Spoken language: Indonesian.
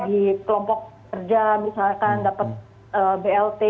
di kelompok kerja misalkan dapat blt